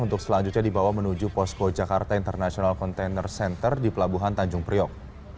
untuk selanjutnya dibawa menuju posko jakarta international container center di pelabuhan tanjung priok